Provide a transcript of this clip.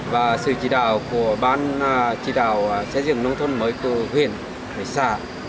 và sự chỉ đạo của bán chỉ đạo xây dựng nông thôn mới của huyện xã